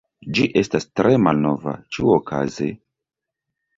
Ĝi estas tre malnova. Ĉiuokaze…